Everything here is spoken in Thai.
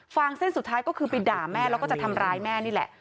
งเส้นสุดท้ายก็คือไปด่าแม่แล้วก็จะทำร้ายแม่นี่แหละ